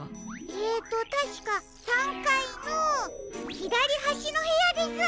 えとたしか３かいのひだりはしのへやです！